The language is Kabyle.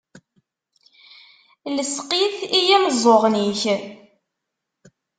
Lseq-it i yimeẓẓuɣen-ik!